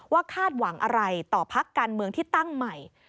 คาดหวังอะไรต่อพักการเมืองที่ตั้งใหม่